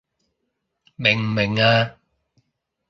明唔明啊？